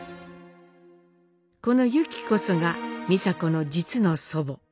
このユキこそが美佐子の実の祖母。